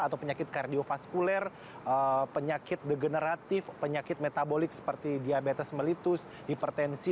atau penyakit kardiofaskuler penyakit degeneratif penyakit metabolik seperti diabetes melitus hipertensi